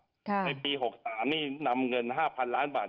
ในปี๖๓นี่นำเงิน๕๐๐๐ล้านบาท